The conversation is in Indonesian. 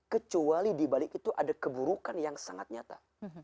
kecuali di balik itu ada keburukan yang sangat nyata